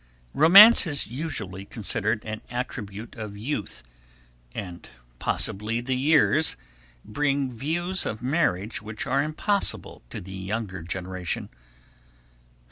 Romance is usually considered an attribute of youth, and possibly the years bring views of marriage which are impossible to the younger generation.